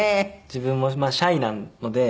自分もシャイなので。